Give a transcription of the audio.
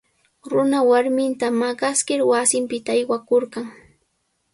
Runa warminta maqaskir wasinpita aywakurqan.